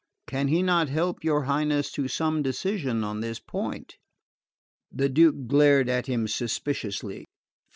Can he not help your Highness to some decision on this point?" The Duke glanced at him suspiciously.